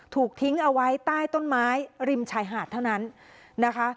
ถูกทิ้งเอาไว้ใต้ต้นไม้ริมชายหาดเท่านั้นนะคะ